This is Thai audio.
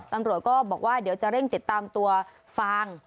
ตำรวจก็บอกว่าเดี๋ยวจะเร่งติดตามตัวฟาง